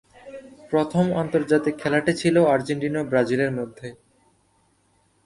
প্রথম আন্তর্জাতিক খেলাটি ছিল আর্জেন্টিনা ও ব্রাজিলের মধ্যে।